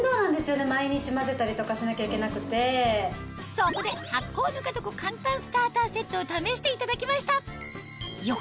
そこで発酵ぬかどこ簡単スターターセットを試していただきました